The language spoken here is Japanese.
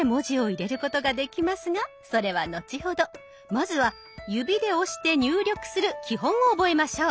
まずは指で押して入力する基本を覚えましょう。